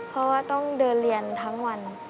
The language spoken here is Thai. เพราะว่าต้องเดินเรียนทั้งวัน